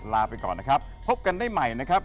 ลาไปก่อนนะครับพบกันได้ใหม่นะครับ